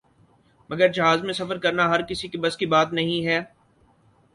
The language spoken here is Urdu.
مگر جہاز میں سفر کرنا ہر کسی کے بس کی بات نہیں ہے ۔